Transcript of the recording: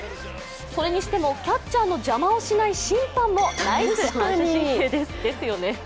それにしてもキャッチャーの邪魔をしない審判もナイス反射神経です。